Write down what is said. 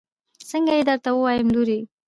څنګه يې درته ووايم لورې.